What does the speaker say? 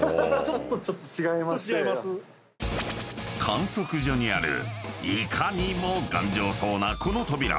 ［観測所にあるいかにも頑丈そうなこの扉］